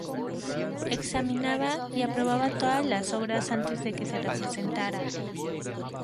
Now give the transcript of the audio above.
Examinaba y aprobaba todas las obras antes de que se representaran.